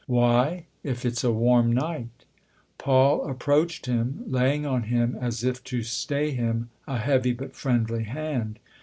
" Why ? if it's a warm night ?" Paul approached him, laying on him as if to stay him a heavy but friendly hand.